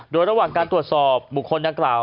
โดยระหว่างการตรวจสอบบุคคลดังกล่าว